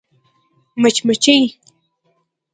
🐝 مچمچۍ